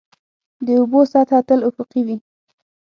د اوبو سطحه تل افقي وي.